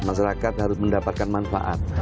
masyarakat harus mendapatkan manfaat